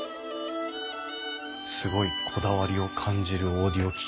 すごいこだわりを感じるオーディオ機器ですね。